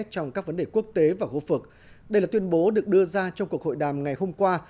trong các vấn đề quốc tế và khu vực đây là tuyên bố được đưa ra trong cuộc hội đàm ngày hôm qua